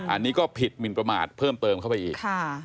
อันนี้ก็ผิดหมินประมาทเพิ่มเติมเข้าไปอีก